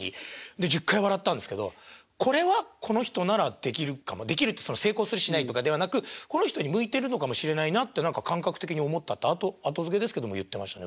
で１０回笑ったんですけどこれはこの人ならできるかもできるって成功するしないとかではなくこの人に向いてるのかもしれないなって何か感覚的に思ったって後づけですけども言ってましたね。